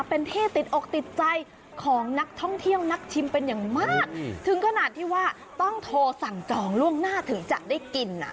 เป็นที่ติดอกติดใจของนักท่องเที่ยวนักชิมเป็นอย่างมากถึงขนาดที่ว่าต้องโทรสั่งจองล่วงหน้าถึงจะได้กินอ่ะ